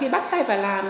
khi bắt tay vào làm